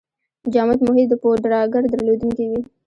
جامد محیط د پوډراګر درلودونکی وي.